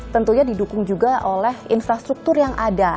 tentunya didukung juga oleh infrastruktur yang ada